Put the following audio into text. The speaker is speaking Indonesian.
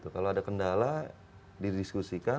kalau ada kendala didiskusikan